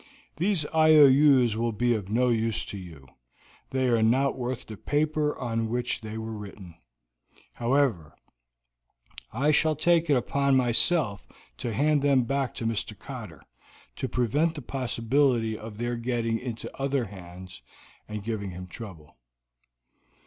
These IOUs will be of no use to you they are not worth the paper on which they are written. However, I shall take it upon myself to hand them back to Mr. Cotter, to prevent the possibility of their getting into other hands and giving him trouble.